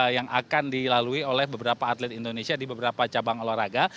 yang akan dilalui oleh beberapa atlet indonesia di beberapa cabang olahraga